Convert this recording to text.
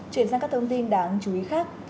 chuyển sang các thông tin đáng chú ý khác